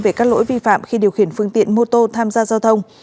về các lỗi vi phạm khi điều khiển phương tiện mô tô tham gia giao thông